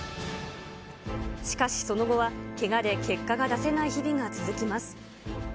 しかし、その後はけがで結果が出せない日々が続きます。